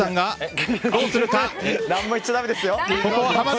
何も言っちゃだめですよ。